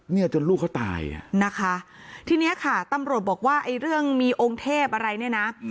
เนี่ยจนลูกเขาตายอ่ะนะคะทีเนี้ยค่ะตำรวจบอกว่าไอ้เรื่องมีองค์เทพอะไรเนี่ยนะ